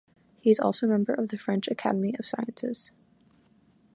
He is also a member of the French Academy of Sciences.